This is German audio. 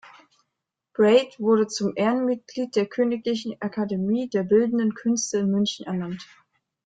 Braith wurde zum Ehrenmitglied der Königlichen Akademie der Bildenden Künste in München ernannt.